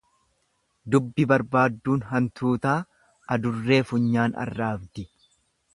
Dubbi barbaadduun hantuutaa adurree funyaan arraabdi.